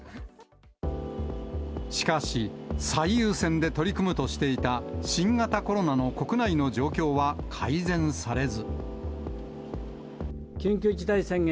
しかし、最優先で取り組むとしていた新型コロナの国内の状況は改善されず。